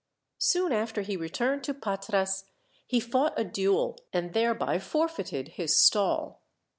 Soon after he returned to Patras he fought a duel, and thereby forfeited his stall.